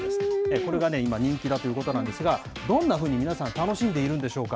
これが今、人気だということなんですが、どんなふうに皆さん、楽しんでいるんでしょうか。